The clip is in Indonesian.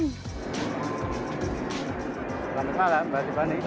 selamat malam mbak tiffany